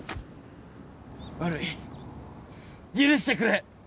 悪い許してくれ！